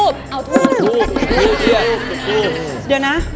เดี๋ยวนะ